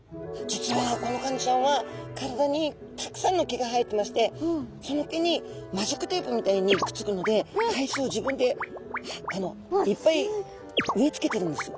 実はこのカニちゃんは体にたくさんの毛が生えてましてその毛にマジックテープみたいにくっつくので海藻を自分でいっぱい植え付けてるんです。